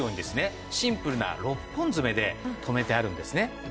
シンプルな６本爪で留めてあるんですね。